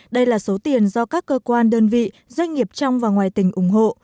đây là số tiền do các cơ quan đơn vị doanh nghiệp trong và ngoài tỉnh ủng hộ